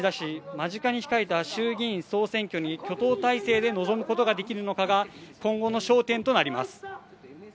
間近に控えた衆議院総選挙に挙党態勢で臨むことができるのかが今後の焦点となります